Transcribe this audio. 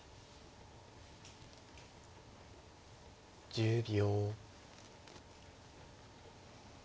１０秒。